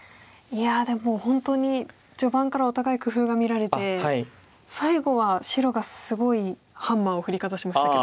いやでも本当に序盤からお互い工夫が見られて最後は白がすごいハンマーを振りかざしましたけど。